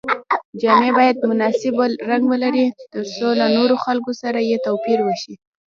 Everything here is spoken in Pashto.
جامې باید مناسب رنګ ولري تر څو له نورو خلکو سره یې توپیر وشي.